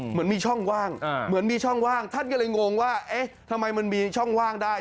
เหมือนมีช่องว่างเหมือนมีช่องว่างท่านก็เลยงงว่าเอ๊ะทำไมมันมีช่องว่างได้